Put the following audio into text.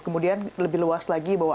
kemudian lebih luas lagi bahwa